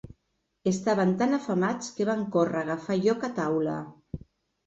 Estaven tan afamats que van córrer a agafar lloc a taula.